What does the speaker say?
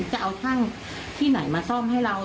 จะเอาช่างที่ไหนมาซ่อมให้เรา